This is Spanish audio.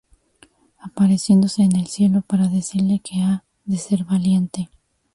apareciéndose en el cielo para decirle que ha de ser valiente